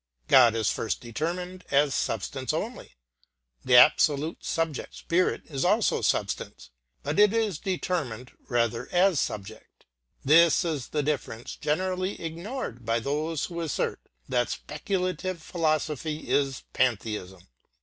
God is first determined as substance only. The absolute subject spirit is also substance; but it is determined rather as subject. This is the difference generally ignored by those who assert that speculative philosophy is pantheism.